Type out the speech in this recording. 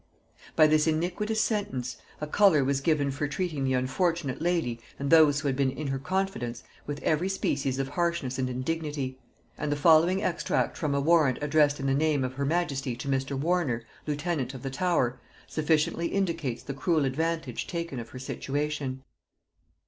By this iniquitous sentence, a color was given for treating the unfortunate lady and those who had been in her confidence with every species of harshness and indignity, and the following extract from a warrant addressed in the name of her majesty to Mr. Warner, lieutenant of the Tower, sufficiently indicates the cruel advantage taken of her situation.